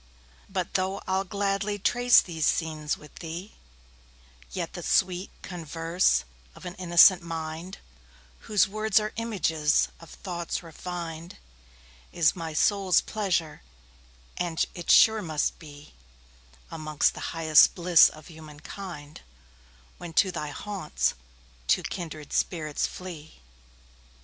But though I'll gladly trace these scenes with thee, Yet the sweet converse of an innocent mind, Whose words are images of thoughts refin'd, Is my soul's pleasure; and it sure must beAlmost the highest bliss of human kind, When to thy haunts two kindred spirits flee.